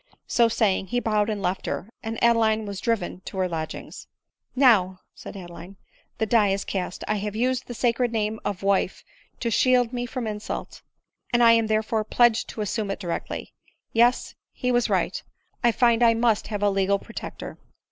So saying, be bowed and left her, and Adeline was driven to her lodgings. u Now," said Adeline, " the die is cast ; I have used the sacred name of wife to shield me from insult ; and I 19 £14 ALtMULtlZiKs MUWJJKAY. am therefore pledged to assume it directly. Yes, he was right — I find I must have a legal protector."